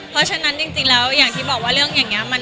เพราะฉะนั้นจริงแล้วอย่างที่บอกว่าเรื่องอย่างนี้